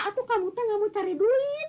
atau kamu te nggak mau cari duit